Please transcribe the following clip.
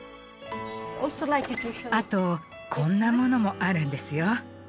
あとこんなものもあるんですよ。